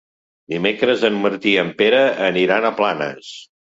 Dimecres en Martí i en Pere aniran a Planes.